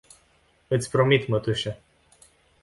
Iti promit, matusa.